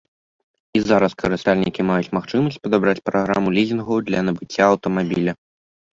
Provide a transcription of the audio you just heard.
І зараз карыстальнікі маюць магчымасць падабраць праграму лізінгу для набыцця аўтамабіля.